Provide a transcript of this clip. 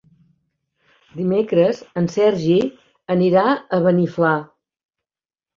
Dimecres en Sergi anirà a Beniflà.